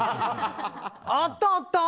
あった、あった！